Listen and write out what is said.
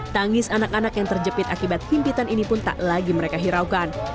tangis anak anak yang terjepit akibat himpitan ini pun tak lagi mereka hiraukan